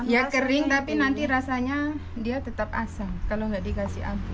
ya kering tapi nanti rasanya dia tetap asam kalau nggak dikasih abu